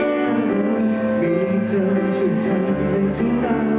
ลงบนที่ที่เจ้ารักมีเธอสุดทันในทุกเรา